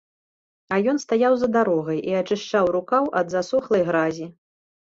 А ён стаяў за дарогай і ачышчаў рукаў ад засохлай гразі.